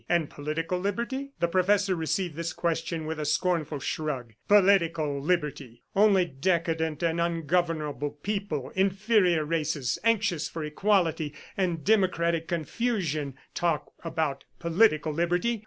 "And political liberty?" The professor received this question with a scornful shrug. "Political liberty! ... Only decadent and ungovernable people, inferior races anxious for equality and democratic confusion, talk about political liberty.